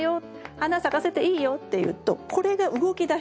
花咲かせていいよっていうとこれが動きだしちゃうんです。